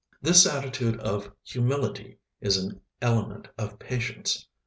This attitude of humility is an element of patience.